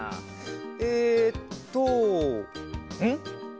えっとんっ？